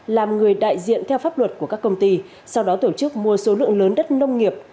làm người đại diện theo pháp luật của các công ty sau đó tổ chức mua số lượng lớn đất nông nghiệp